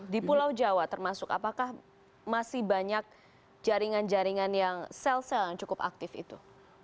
di pulau jawa termasuk apakah masih banyak jaringan jaringan yang sel sel yang cukup aktif itu